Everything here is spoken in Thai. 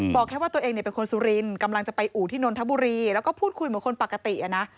บอกแค่ว่าตัวเองเป็นคนสุรินทร์กำลังจะไปอู่ที่นนทบุรีแล้วก็พูดคุยเหมือนคนปกติอ่ะนะ